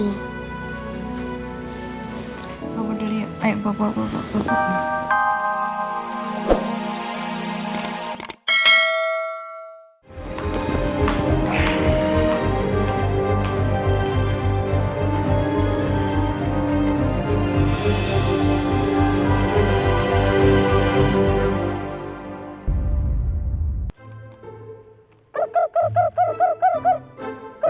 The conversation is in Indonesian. bapak dulu yuk